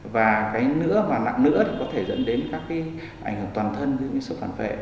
và cái nữa và nặng nữa thì có thể dẫn đến các cái ảnh hưởng toàn thân với những số phản vệ